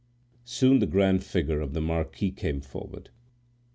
Soon the grand figure of the marquis came forward.